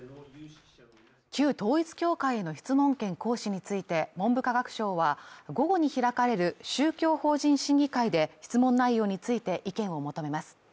旧統一教会への質問権行使について文部科学省は午後に開かれる宗教法人審議会で質問内容について意見を求めます